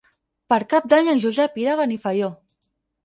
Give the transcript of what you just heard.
Per Cap d'Any en Josep irà a Benifaió.